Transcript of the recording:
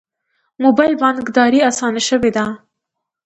موبایل بانکداري اسانه شوې ده